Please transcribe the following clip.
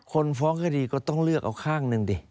คนฟ้องคดีก็ต้องเลือกเอาข้างหนึ่งดิ